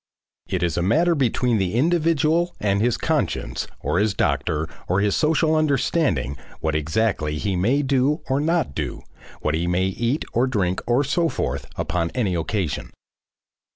It is a matter between the individual and his conscience or his doctor or his social understanding what exactly he may do or not do, what he may eat or drink or so forth, upon any occasion.